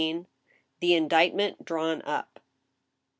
THE INDICTMENT DRAWN UP.